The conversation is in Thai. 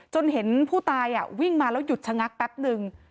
เห็นผู้ตายวิ่งมาแล้วหยุดชะงักแป๊บนึง